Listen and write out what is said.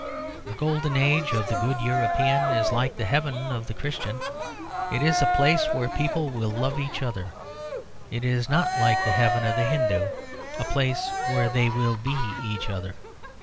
The golden age of the good European is like the heaven of the Christian: it is a place where people will love each other; not like the heaven of the Hindu, a place where they will be each other.